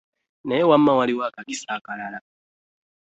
Naye wamma waliyo akakisa akalala?